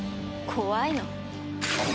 怖いの？